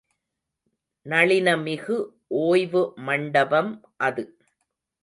நளினமிகு ஓய்வு மண்டபம் அது.